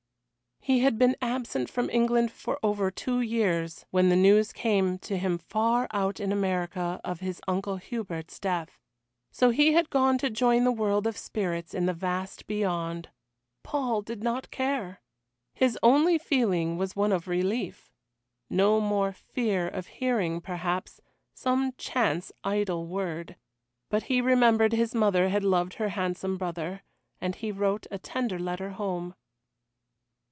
He had been absent from England for over two years, when the news came to him far out in America of his Uncle Hubert's death. So he had gone to join the world of spirits in the vast beyond! Paul did not care! His only feeling was one of relief. No more fear of hearing, perhaps, some chance idle word. But he remembered his mother had loved her handsome brother, and he wrote a tender letter home.